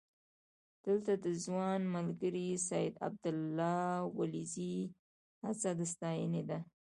دلته د ځوان ملګري سید عبدالله ولیزي هڅه د ستاینې ده.